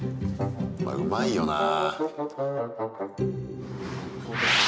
まあうまいよなぁ。